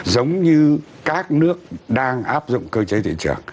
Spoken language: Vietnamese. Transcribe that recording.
giống như các nước đang áp dụng cơ chế thị trường